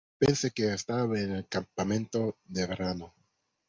Pensé que estaba en el campamento de verano.